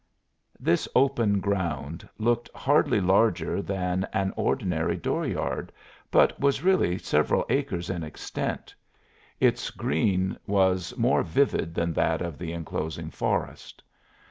This open ground looked hardly larger than an ordinary door yard, but was really several acres in extent. Its green was more vivid than that of the inclosing forest.